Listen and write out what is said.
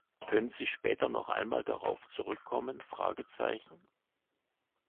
Können Sie später noch einmal darauf zurückkommen?